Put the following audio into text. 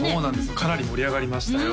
かなり盛り上がりましたよ